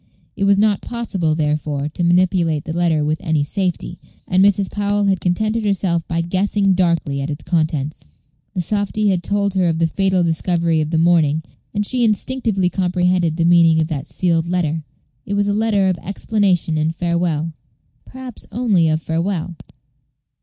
It was not possible, therefore, to manipulate this letter with any safety, and Mrs. Powell had contented herself by guessing darkly at its contents. The softy had told her of the fatal discovery of the morning, and she instinctively comprehended the meaning of that sealed letter. It was a letter of explanation and farewell, perhaps perhaps only of farewell.